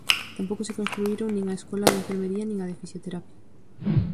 Tampouco se construíron nin a Escola de Enfermería nin a de Fisioterapia.